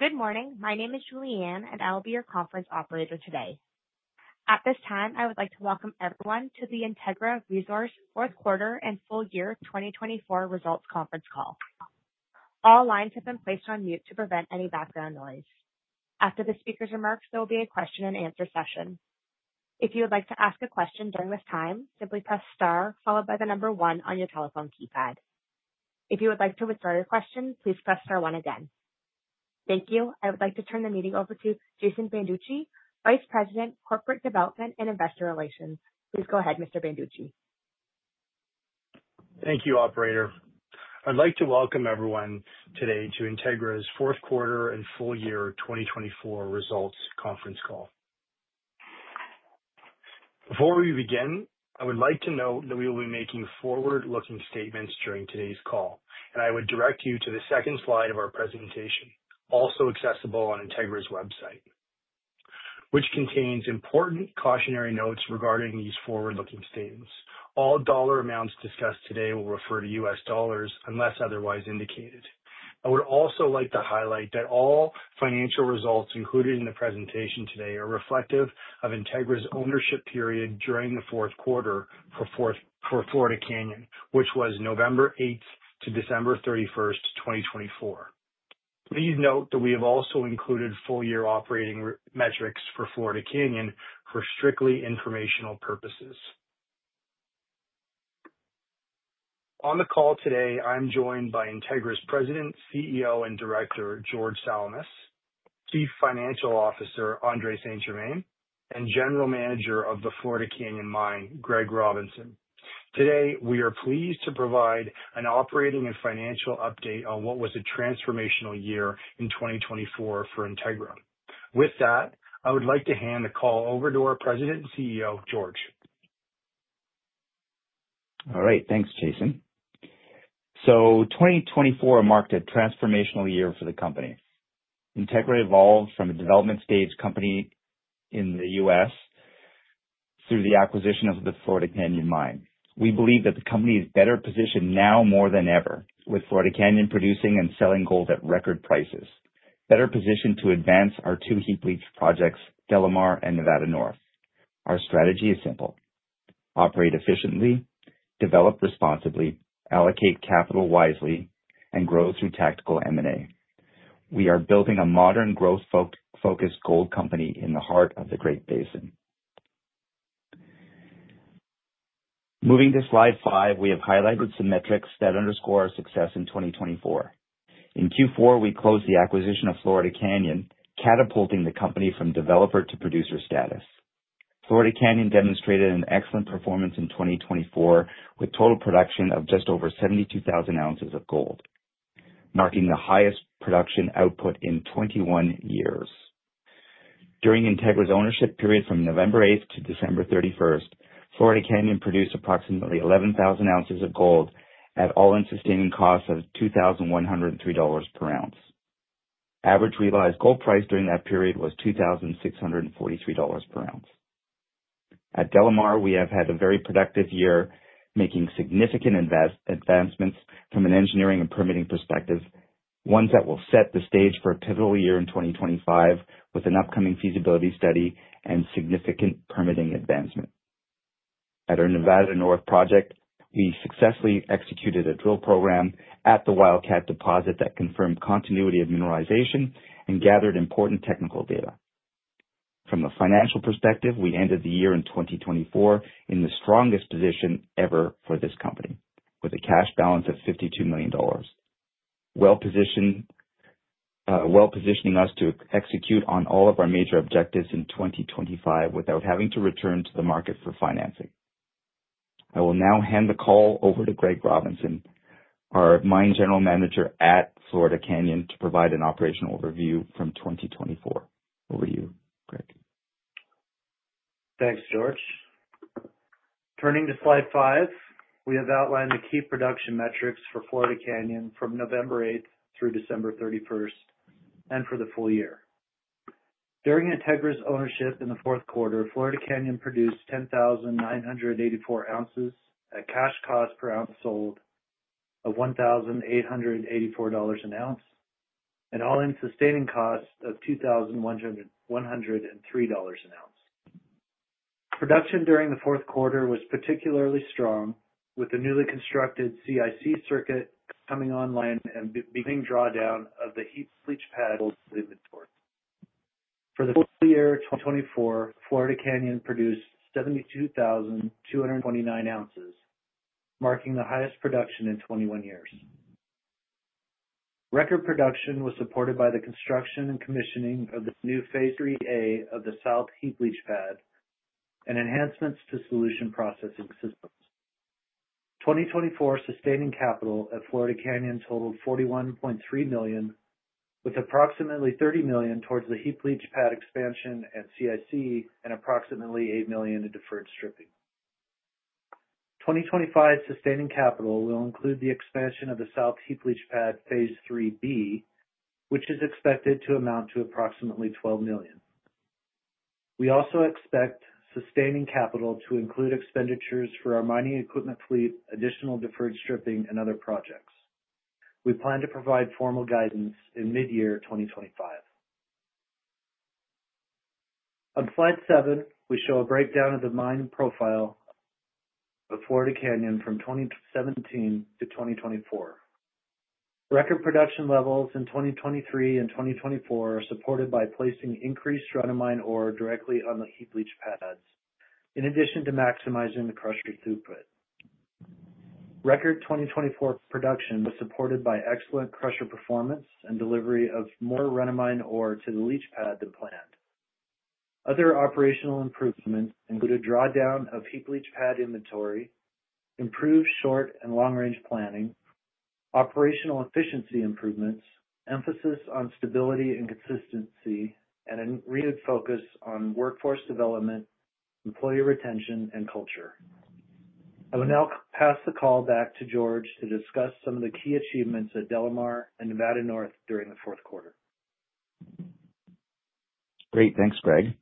Good morning. My name is Julie Ann, and I'll be your conference operator today. At this time, I would like to welcome everyone to the Integra Resources fourth quarter and full year 2024 results conference call. All lines have been placed on mute to prevent any background noise. After the speaker's remarks, there will be a question-and-answer session. If you would like to ask a question during this time, simply press star followed by the number one on your telephone keypad. If you would like to withdraw your question, please press star one again. Thank you. I would like to turn the meeting over to Jason Banducci, Vice President, Corporate Development and Investor Relations. Please go ahead, Mr. Banducci. Thank you, Operator. I'd like to welcome everyone today to Integra's fourth quarter and full year 2024 results conference call. Before we begin, I would like to note that we will be making forward-looking statements during today's call, and I would direct you to the second slide of our presentation, also accessible on Integra's website, which contains important cautionary notes regarding these forward-looking statements. All dollar amounts discussed today will refer to U.S. dollars unless otherwise indicated. I would also like to highlight that all financial results included in the presentation today are reflective of Integra's ownership period during the fourth quarter for Florida Canyon, which was November 8th to December 31st, 2024. Please note that we have also included full-year operating metrics for Florida Canyon for strictly informational purposes. On the call today, I'm joined by Integra's President, CEO, and Director, George Salamis, Chief Financial Officer, Andrée St-Germain, and General Manager of the Florida Canyon Mine, Greg Robinson. Today, we are pleased to provide an operating and financial update on what was a transformational year in 2024 for Integra. With that, I would like to hand the call over to our President and CEO, George. All right. Thanks, Jason. So 2024 marked a transformational year for the company. Integra evolved from a development stage company in the U.S. through the acquisition of the Florida Canyon Mine. We believe that the company is better positioned now more than ever, with Florida Canyon producing and selling gold at record prices, better positioned to advance our two heap leach projects, DeLamar and Nevada North. Our strategy is simple: operate efficiently, develop responsibly, allocate capital wisely, and grow through tactical M&A. We are building a modern, growth-focused gold company in the heart of the Great Basin. Moving to slide five, we have highlighted some metrics that underscore our success in 2024. In Q4, we closed the acquisition of Florida Canyon, catapulting the company from developer to producer status. Florida Canyon demonstrated an excellent performance in 2024, with total production of just over 72,000 ounces of gold, marking the highest production output in 21 years. During Integra's ownership period from November 8th to December 31st, Florida Canyon produced approximately 11,000 ounces of gold at all-in sustaining cost of $2,103 per ounce. Average realized gold price during that period was $2,643 per ounce. At DeLamar, we have had a very productive year, making significant advancements from an engineering and permitting perspective, ones that will set the stage for a pivotal year in 2025, with an upcoming feasibility study and significant permitting advancement. At our Nevada North project, we successfully executed a drill program at the Wildcat Deposit that confirmed continuity of mineralization and gathered important technical data. From the financial perspective, we ended the year in 2024 in the strongest position ever for this company, with a cash balance of $52 million, well positioning us to execute on all of our major objectives in 2025 without having to return to the market for financing. I will now hand the call over to Greg Robinson, our Mine General Manager at Florida Canyon, to provide an operational overview from 2024. Over to you, Greg. Thanks, George. Turning to slide five, we have outlined the key production metrics for Florida Canyon from November 8th through December 31st and for the full year. During Integra's ownership in the fourth quarter, Florida Canyon produced 10,984 ounces at cash cost per ounce sold of $1,884 an ounce and all-in sustaining cost of $2,103 an ounce. Production during the fourth quarter was particularly strong, with the newly constructed CIC circuit coming online and beginning drawdown of the heap leach pad inventory. For the full year 2024, Florida Canyon produced 72,229 ounces, marking the highest production in 21 years. Record production was supported by the construction and commissioning of the new Phase III-A of the south heap leach pad and enhancements to solution processing systems. 2024 sustaining capital at Florida Canyon totaled $41.3 million, with approximately $30 million towards the heap leach pad expansion at CIC and approximately $8 million in deferred stripping. 2025 sustaining capital will include the expansion of the south heap leach pad Phase III-B, which is expected to amount to approximately $12 million. We also expect sustaining capital to include expenditures for our mining equipment fleet, additional deferred stripping, and other projects. We plan to provide formal guidance in mid-year 2025. On slide seven, we show a breakdown of the mine profile of Florida Canyon from 2017 to 2024. Record production levels in 2023 and 2024 are supported by placing increased run-of-mine ore directly on the heap leach pads, in addition to maximizing the crusher throughput. Record 2024 production was supported by excellent crusher performance and delivery of more run-of-mine ore to the leach pad than planned. Other operational improvements included drawdown of heap leach pad inventory, improved short and long-range planning, operational efficiency improvements, emphasis on stability and consistency, and a renewed focus on workforce development, employee retention, and culture. I will now pass the call back to George to discuss some of the key achievements at DeLamar and Nevada North during the fourth quarter. Great. Thanks, Greg.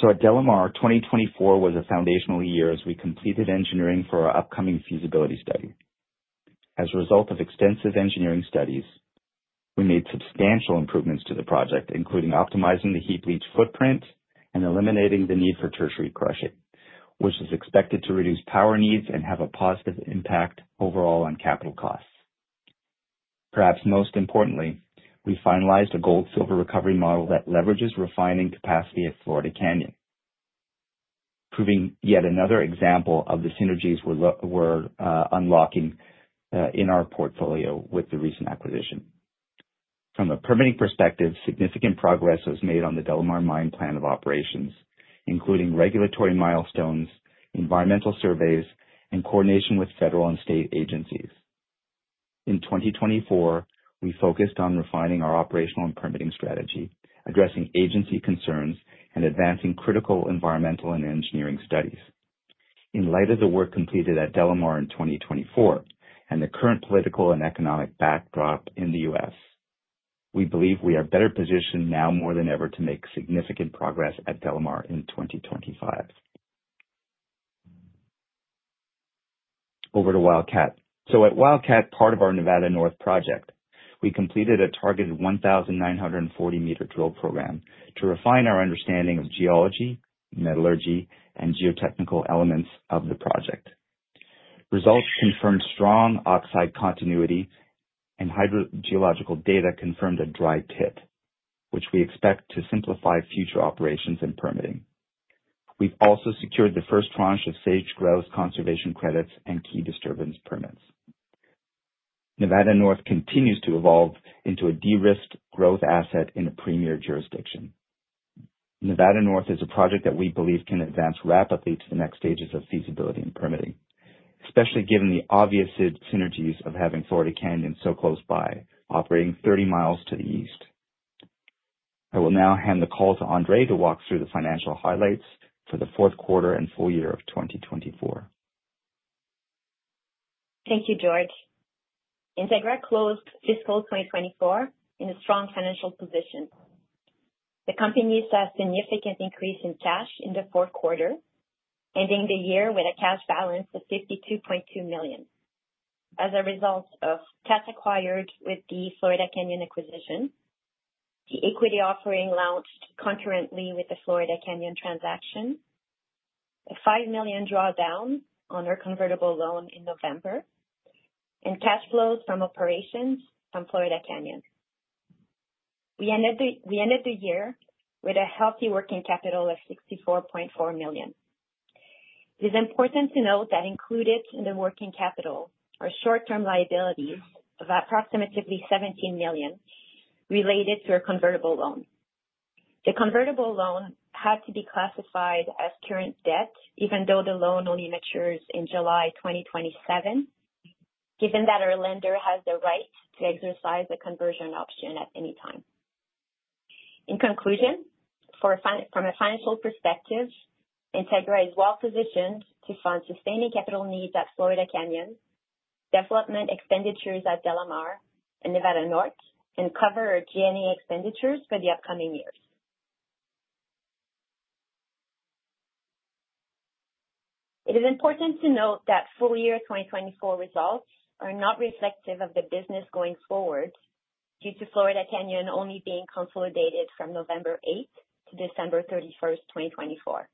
So at DeLamar, 2024 was a foundational year as we completed engineering for our upcoming feasibility study. As a result of extensive engineering studies, we made substantial improvements to the project, including optimizing the heap leach footprint and eliminating the need for tertiary crushing, which is expected to reduce power needs and have a positive impact overall on capital costs. Perhaps most importantly, we finalized a gold-silver recovery model that leverages refining capacity at Florida Canyon, proving yet another example of the synergies we're unlocking in our portfolio with the recent acquisition. From a permitting perspective, significant progress was made on the DeLamar Mine Plan of Operations, including regulatory milestones, environmental surveys, and coordination with federal and state agencies. In 2024, we focused on refining our operational and permitting strategy, addressing agency concerns, and advancing critical environmental and engineering studies. In light of the work completed at DeLamar in 2024 and the current political and economic backdrop in the U.S., we believe we are better positioned now more than ever to make significant progress at DeLamar in 2025. Over to Wildcat, so at Wildcat, part of our Nevada North project, we completed a targeted 1,940-meter drill program to refine our understanding of geology, metallurgy, and geotechnical elements of the project. Results confirmed strong oxide continuity, and hydrogeological data confirmed a dry pit, which we expect to simplify future operations and permitting. We've also secured the first tranche of Sage-Grouse conservation credits and key disturbance permits. Nevada North continues to evolve into a de-risked growth asset in a premier jurisdiction. Nevada North is a project that we believe can advance rapidly to the next stages of feasibility and permitting, especially given the obvious synergies of having Florida Canyon so close by, operating 30 miles to the east. I will now hand the call to Andrée to walk through the financial highlights for the fourth quarter and full year of 2024. Thank you, George. Integra closed fiscal 2024 in a strong financial position. The company saw a significant increase in cash in the fourth quarter, ending the year with a cash balance of $52.2 million. As a result of cash acquired with the Florida Canyon acquisition, the equity offering launched concurrently with the Florida Canyon transaction, a $5 million drawdown on our convertible loan in November, and cash flows from operations from Florida Canyon. We ended the year with a healthy working capital of $64.4 million. It is important to note that included in the working capital are short-term liabilities of approximately $17 million related to our convertible loan. The convertible loan had to be classified as current debt, even though the loan only matures in July 2027, given that our lender has the right to exercise a conversion option at any time. In conclusion, from a financial perspective, Integra is well-positioned to fund sustaining capital needs at Florida Canyon, development expenditures at DeLamar and Nevada North, and cover our G&A expenditures for the upcoming years. It is important to note that full year 2024 results are not reflective of the business going forward due to Florida Canyon only being consolidated from November 8th to December 31st, 2024.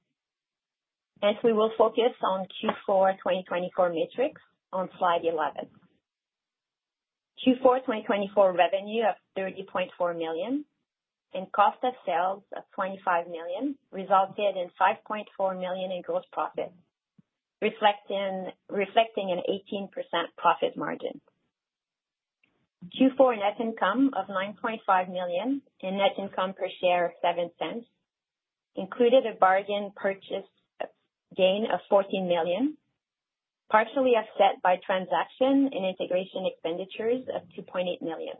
Next, we will focus on Q4 2024 metrics on slide 11. Q4 2024 revenue of $30.4 million and cost of sales of $25 million resulted in $5.4 million in gross profit, reflecting an 18% profit margin. Q4 net income of $9.5 million and net income per share of $0.07 included a bargain purchase gain of $14 million, partially offset by transaction and integration expenditures of $2.8 million.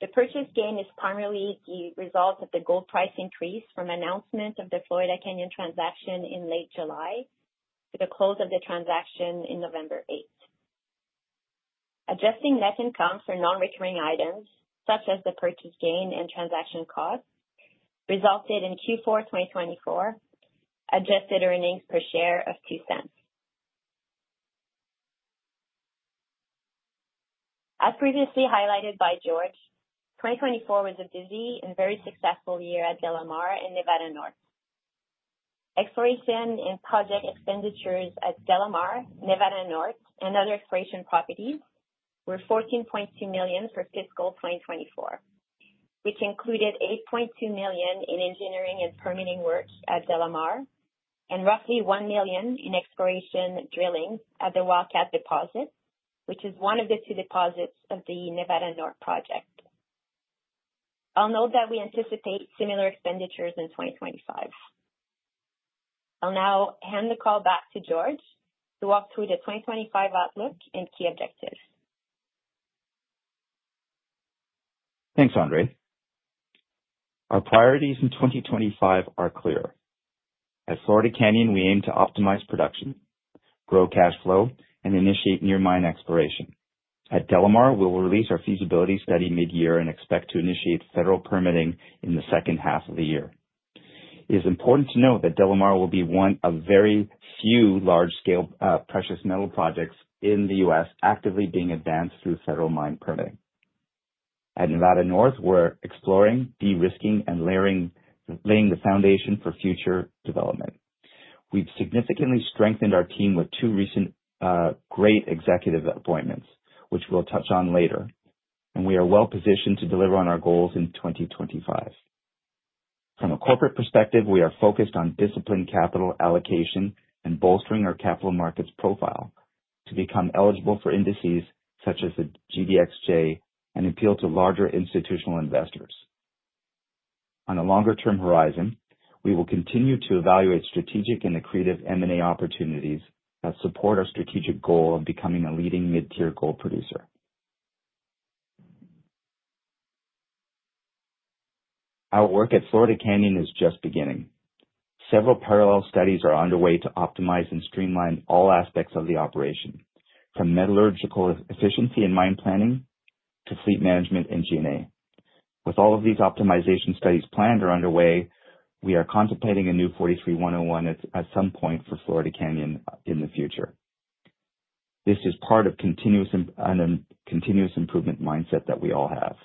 The purchase gain is primarily the result of the gold price increase from announcement of the Florida Canyon transaction in late July to the close of the transaction in November 8th. Adjusting net income for non-recurring items, such as the purchase gain and transaction cost, resulted in Q4 2024 adjusted earnings per share of $0.02. As previously highlighted by George, 2024 was a busy and very successful year at DeLamar and Nevada North. Exploration and project expenditures at DeLamar, Nevada North, and other exploration properties were $14.2 million for fiscal 2024, which included $8.2 million in engineering and permitting work at DeLamar and roughly $1 million in exploration drilling at the Wildcat Deposit, which is one of the two deposits of the Nevada North project. I'll note that we anticipate similar expenditures in 2025. I'll now hand the call back to George to walk through the 2025 outlook and key objectives. Thanks, Andrée. Our priorities in 2025 are clear. At Florida Canyon, we aim to optimize production, grow cash flow, and initiate near-mine exploration. At DeLamar, we will release our feasibility study mid-year and expect to initiate federal permitting in the second half of the year. It is important to note that DeLamar will be one of very few large-scale precious metal projects in the U.S. actively being advanced through federal mine permitting. At Nevada North, we're exploring, de-risking, and laying the foundation for future development. We've significantly strengthened our team with two recent great executive appointments, which we'll touch on later, and we are well-positioned to deliver on our goals in 2025. From a corporate perspective, we are focused on disciplined capital allocation and bolstering our capital markets profile to become eligible for indices such as the GDXJ and appeal to larger institutional investors. On a longer-term horizon, we will continue to evaluate strategic and accretive M&A opportunities that support our strategic goal of becoming a leading mid-tier gold producer. Our work at Florida Canyon is just beginning. Several parallel studies are underway to optimize and streamline all aspects of the operation, from metallurgical efficiency and mine planning to fleet management and G&A. With all of these optimization studies planned or underway, we are contemplating a new 43-101 at some point for Florida Canyon in the future. This is part of a continuous improvement mindset that we all have.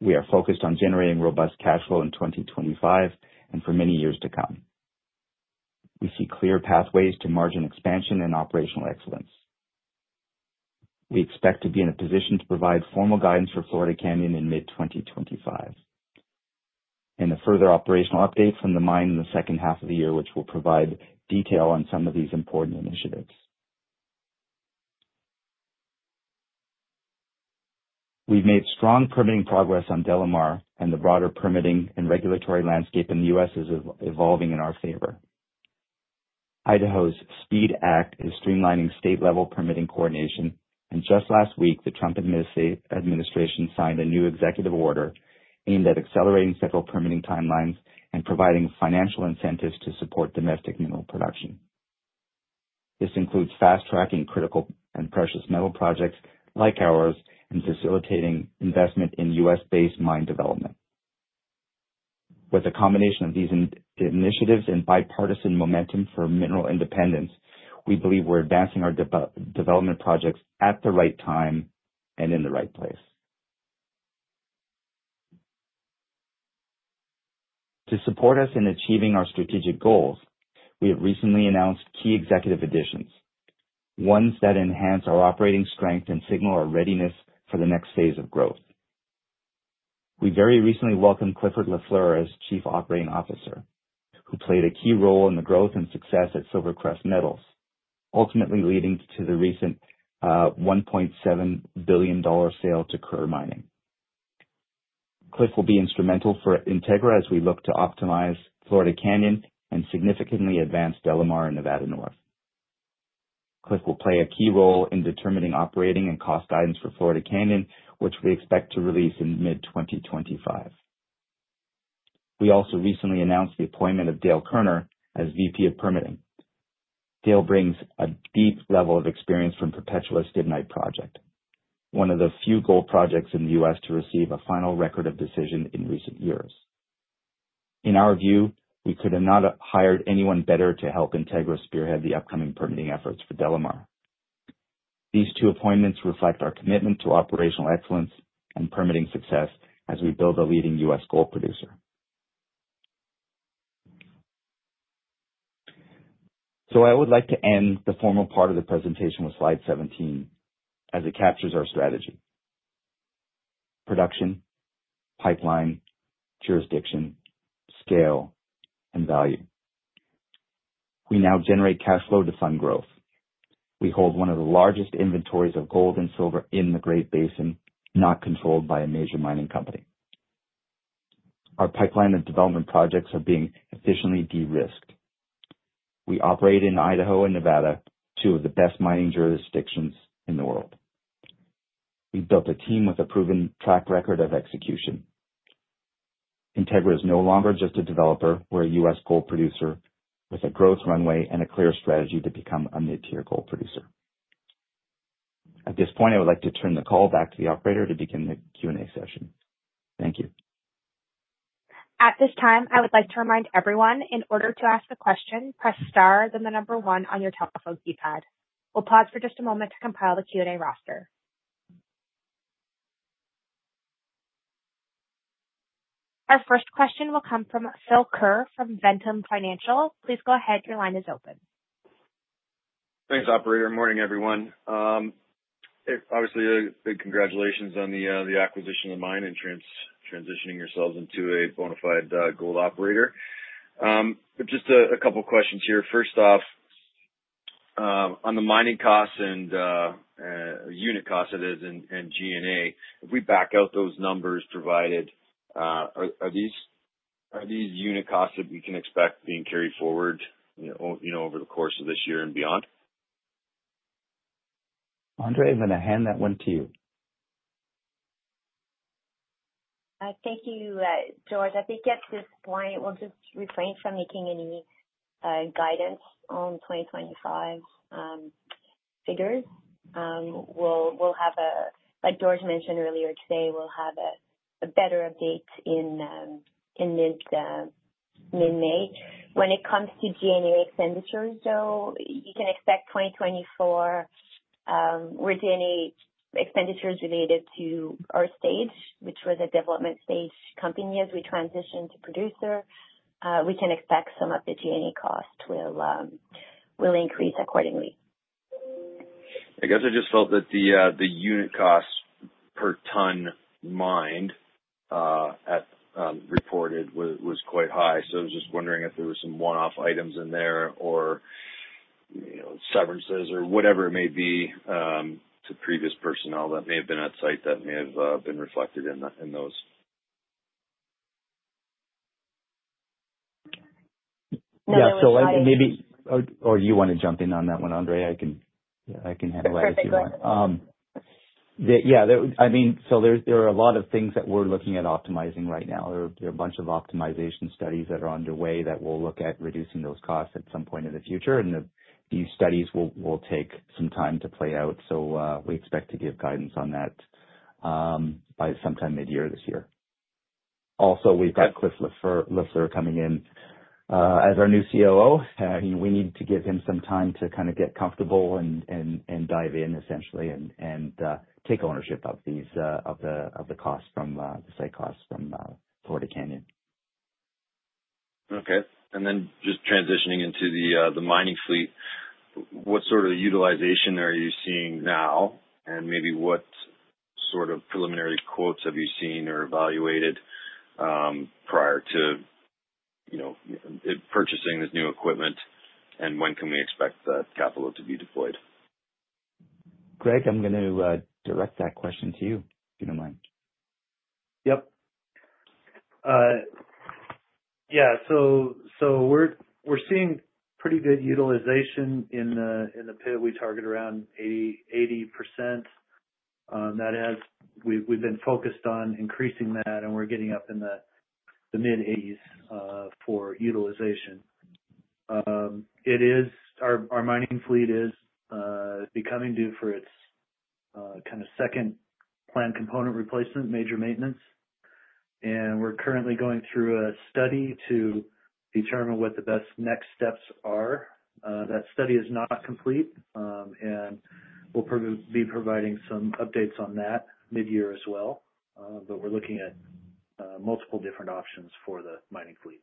We are focused on generating robust cash flow in 2025 and for many years to come. We see clear pathways to margin expansion and operational excellence. We expect to be in a position to provide formal guidance for Florida Canyon in mid-2025 and a further operational update from the mine in the second half of the year, which will provide detail on some of these important initiatives. We've made strong permitting progress on DeLamar, and the broader permitting and regulatory landscape in the U.S. is evolving in our favor. Idaho's SPEED Act is streamlining state-level permitting coordination, and just last week, the Trump administration signed a new executive order aimed at accelerating federal permitting timelines and providing financial incentives to support domestic mineral production. This includes fast-tracking critical and precious metal projects like ours and facilitating investment in U.S.-based mine development. With a combination of these initiatives and bipartisan momentum for mineral independence, we believe we're advancing our development projects at the right time and in the right place. To support us in achieving our strategic goals, we have recently announced key executive additions, ones that enhance our operating strength and signal our readiness for the next phase of growth. We very recently welcomed Clifford Lafleur as Chief Operating Officer, who played a key role in the growth and success at SilverCrest Metals, ultimately leading to the recent $1.7 billion sale to Coeur Mining. Cliff will be instrumental for Integra as we look to optimize Florida Canyon and significantly advance DeLamar and Nevada North. Cliff will play a key role in determining operating and cost guidance for Florida Canyon, which we expect to release in mid-2025. We also recently announced the appointment of Dale Koerner as VP of Permitting. Dale brings a deep level of experience from Perpetua's Stibnite project, one of the few gold projects in the U.S. to receive a final Record of Decision in recent years. In our view, we could have not hired anyone better to help Integra spearhead the upcoming permitting efforts for DeLamar. These two appointments reflect our commitment to operational excellence and permitting success as we build a leading U.S. gold producer. So I would like to end the formal part of the presentation with slide 17, as it captures our strategy: production, pipeline, jurisdiction, scale, and value. We now generate cash flow to fund growth. We hold one of the largest inventories of gold and silver in the Great Basin, not controlled by a major mining company. Our pipeline and development projects are being efficiently de-risked. We operate in Idaho and Nevada, two of the best mining jurisdictions in the world. We built a team with a proven track record of execution. Integra is no longer just a developer. We're a U.S. Gold producer with a growth runway and a clear strategy to become a mid-tier gold producer. At this point, I would like to turn the call back to the operator to begin the Q&A session. Thank you. At this time, I would like to remind everyone, in order to ask a question, press star then the number one on your telephone keypad. We'll pause for just a moment to compile the Q&A roster. Our first question will come from Phil Ker from Ventum Financial. Please go ahead. Your line is open. Thanks, operator. Morning, everyone. Obviously, big congratulations on the acquisition of the mine and transitioning yourselves into a bona fide gold operator. But just a couple of questions here. First off, on the mining costs and unit costs, it is, and G&A, if we back out those numbers provided, are these unit costs that we can expect being carried forward over the course of this year and beyond? Andrée, I'm going to hand that one to you. Thank you, George. I think at this point, we'll just refrain from making any guidance on 2025 figures. Like George mentioned earlier today, we'll have a better update in mid-May. When it comes to G&A expenditures, though, you can expect 2024 with G&A expenditures related to our stage, which was a development stage company as we transitioned to producer. We can expect some of the G&A costs will increase accordingly. I guess I just felt that the unit costs per ton mined reported was quite high. So I was just wondering if there were some one-off items in there or severances or whatever it may be to previous personnel that may have been at site that may have been reflected in those? Yeah, so maybe or do you want to jump in on that one, Andrée? I can handle that if you want. Yeah, I mean, so there are a lot of things that we're looking at optimizing right now. There are a bunch of optimization studies that are underway that will look at reducing those costs at some point in the future. And these studies will take some time to play out. So we expect to give guidance on that by sometime mid-year this year. Also, we've got Clifford Lafleur coming in as our new COO. We need to give him some time to kind of get comfortable and dive in, essentially, and take ownership of the site costs from Florida Canyon. Okay. And then just transitioning into the mining fleet, what sort of utilization are you seeing now? And maybe what sort of preliminary quotes have you seen or evaluated prior to purchasing this new equipment? And when can we expect that capital to be deployed? Greg, I'm going to direct that question to you, if you don't mind. Yep. Yeah, so we're seeing pretty good utilization in the pit. We target around 80%. We've been focused on increasing that, and we're getting up in the mid-80s for utilization. Our mining fleet is becoming due for its kind of second planned component replacement, major maintenance, and we're currently going through a study to determine what the best next steps are. That study is not complete, and we'll be providing some updates on that mid-year as well, but we're looking at multiple different options for the mining fleet.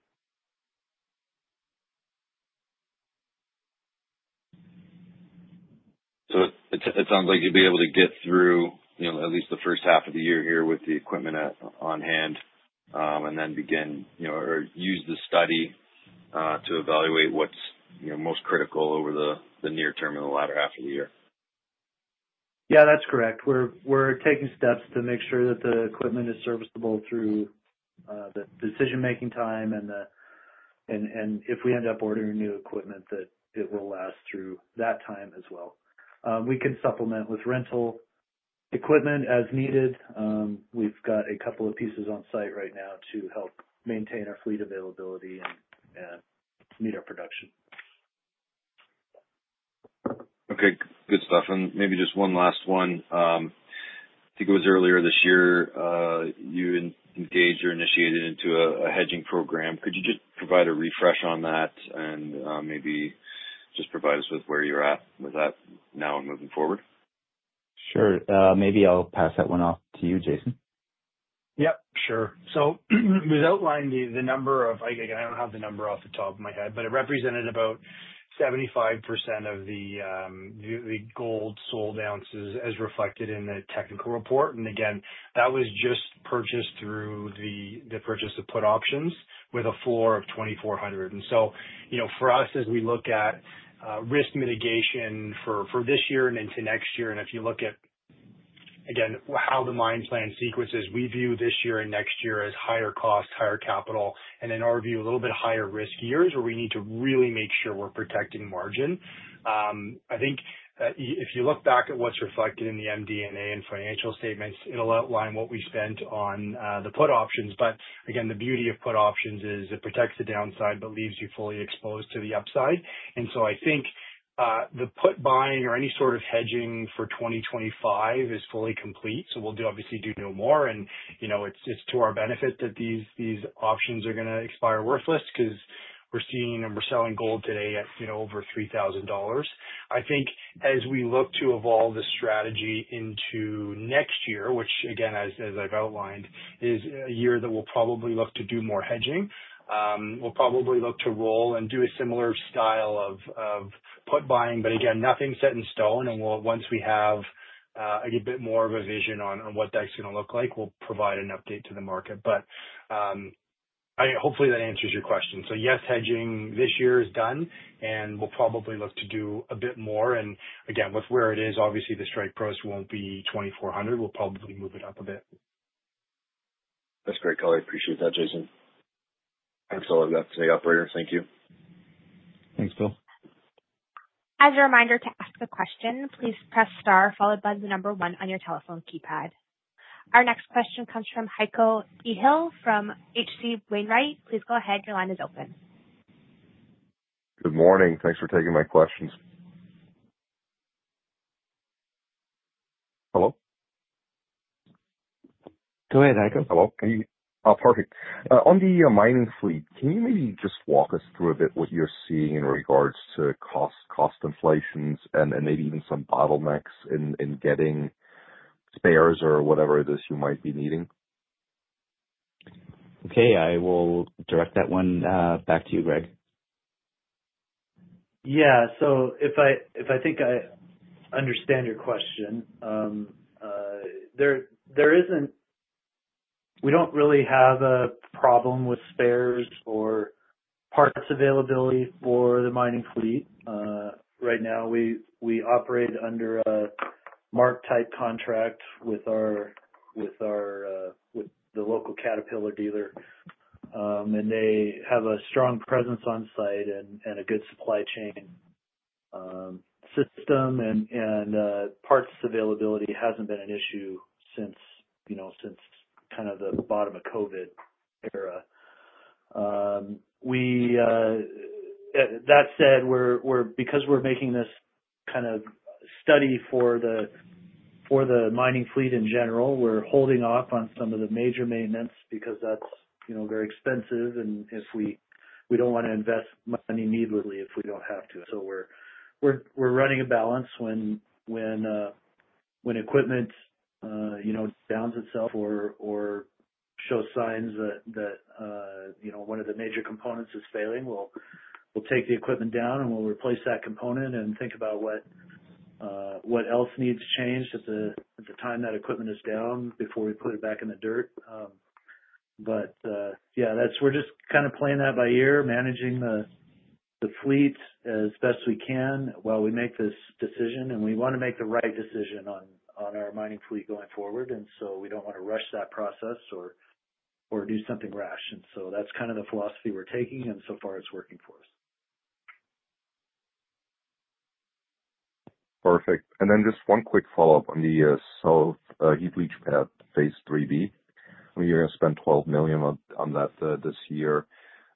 So it sounds like you'll be able to get through at least the first half of the year here with the equipment on hand and then begin or use the study to evaluate what's most critical over the near term and the latter half of the year. Yeah, that's correct. We're taking steps to make sure that the equipment is serviceable through the decision-making time. And if we end up ordering new equipment, that it will last through that time as well. We can supplement with rental equipment as needed. We've got a couple of pieces on site right now to help maintain our fleet availability and meet our production. Okay. Good stuff. And maybe just one last one. I think it was earlier this year you engaged or initiated into a hedging program. Could you just provide a refresh on that and maybe just provide us with where you're at with that now and moving forward? Sure. Maybe I'll pass that one off to you, Jason. Yep. Sure. So we've outlined the number of. I don't have the number off the top of my head, but it represented about 75% of the gold sold ounces as reflected in the technical report. And again, that was just purchased through the purchase of put options with a floor of $2,400. And so for us, as we look at risk mitigation for this year and into next year, and if you look at, again, how the mine plan sequences, we view this year and next year as higher cost, higher capital, and in our view, a little bit higher risk years where we need to really make sure we're protecting margin. I think if you look back at what's reflected in the MD&A and financial statements, it'll outline what we spent on the put options. But again, the beauty of put options is it protects the downside but leaves you fully exposed to the upside. And so I think the put buying or any sort of hedging for 2025 is fully complete. So we'll obviously do no more. And it's to our benefit that these options are going to expire worthless because we're seeing and we're selling gold today at over $3,000. I think as we look to evolve the strategy into next year, which, again, as I've outlined, is a year that we'll probably look to do more hedging. We'll probably look to roll and do a similar style of put buying. But again, nothing set in stone. And once we have a bit more of a vision on what that's going to look like, we'll provide an update to the market. But hopefully, that answers your question. So yes, hedging this year is done, and we'll probably look to do a bit more. And again, with where it is, obviously, the strike price won't be 2,400. We'll probably move it up a bit. That's great, color. I appreciate that, Jason. Thanks a lot for that today, operator. Thank you. Thanks, Phil. As a reminder to ask a question, please press star followed by the number one on your telephone keypad. Our next question comes from Heiko Ihle from H.C. Wainwright. Please go ahead. Your line is open. Good morning. Thanks for taking my questions. Hello? Go ahead, Heiko. Hello. Perfect. On the mining fleet, can you maybe just walk us through a bit what you're seeing in regards to cost inflations and maybe even some bottlenecks in getting spares or whatever it is you might be needing? Okay. I will direct that one back to you, Greg. Yeah, so if I think I understand your question, we don't really have a problem with spares or parts availability for the mining fleet right now. We operate under a MARC-type contract with the local Caterpillar dealer, and they have a strong presence on site and a good supply chain system. Parts availability hasn't been an issue since kind of the bottom of the COVID era. That said, because we're making this kind of study for the mining fleet in general, we're holding off on some of the major maintenance because that's very expensive, and we don't want to invest money needlessly if we don't have to, so we're running a balance when equipment downs itself or shows signs that one of the major components is failing. We'll take the equipment down, and we'll replace that component and think about what else needs to change at the time that equipment is down before we put it back in the dirt. But yeah, we're just kind of playing that by ear, managing the fleet as best we can while we make this decision. And we want to make the right decision on our mining fleet going forward. And so we don't want to rush that process or do something rash. And so that's kind of the philosophy we're taking. And so far, it's working for us. Perfect. And then just one quick follow-up on the South heap leach pad Phase III-B. You're going to spend $12 million on that this year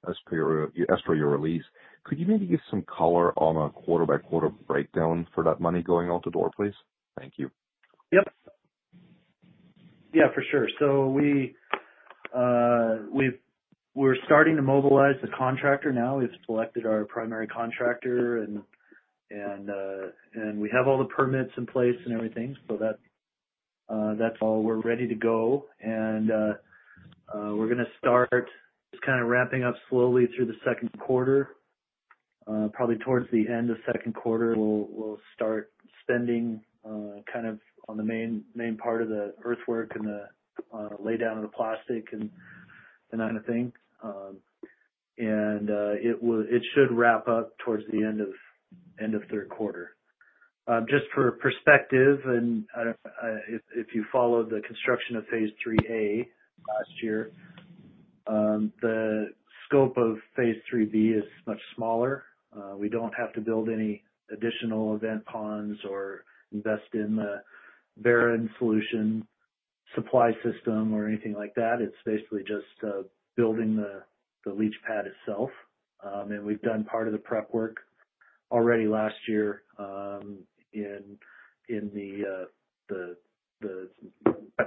as per your release. Could you maybe give some color on a quarter-by-quarter breakdown for that money going out the door, please? Thank you. Yep. Yeah, for sure, so we're starting to mobilize the contractor now. We've selected our primary contractor, and we have all the permits in place and everything, so that's all. We're ready to go, and we're going to start just kind of ramping up slowly through the second quarter. Probably towards the end of second quarter, we'll start spending kind of on the main part of the earthwork and the lay down of the plastic and that kind of thing, and it should wrap up towards the end of third quarter. Just for perspective, and if you followed the construction of Phase III-A last year, the scope of Phase III-B is much smaller. We don't have to build any additional evaporation ponds or invest in the barren solution supply system or anything like that. It's basically just building the leach pad itself. We've done part of the prep work already last year in the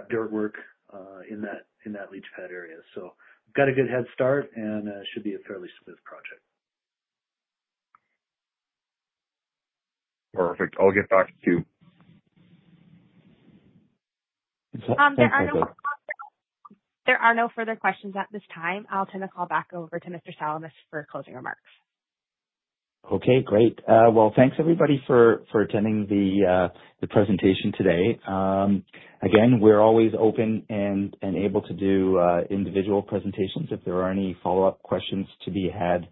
dirt work in that leach pad area. We've got a good head start, and it should be a fairly smooth project. Perfect. I'll get back to you. There are no further questions at this time. I'll turn the call back over to Mr. Salamis for closing remarks. Okay. Great. Well, thanks, everybody, for attending the presentation today. Again, we're always open and able to do individual presentations if there are any follow-up questions to be had.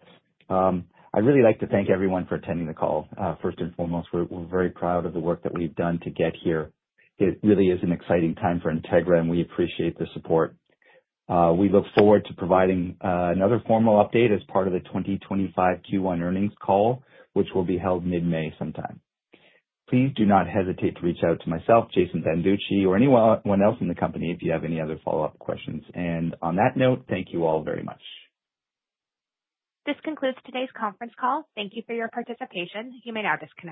I'd really like to thank everyone for attending the call. First and foremost, we're very proud of the work that we've done to get here. It really is an exciting time for Integra, and we appreciate the support. We look forward to providing another formal update as part of the 2025 Q1 earnings call, which will be held mid-May sometime. Please do not hesitate to reach out to myself, Jason Banducci, or anyone else in the company if you have any other follow-up questions. And on that note, thank you all very much. This concludes today's conference call. Thank you for your participation. You may now disconnect.